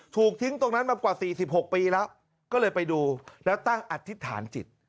ถูกทิ้งตรงนั้นมากว่า๔๖ปีแล้วก็เลยไปดูแล้วตั้งอธิษฐานจิต